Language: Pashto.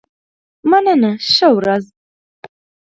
مننه ښه ورځ.